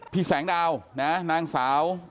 พี่แสงดาวนางสาว